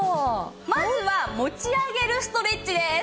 まずは持ち上げるストレッチです。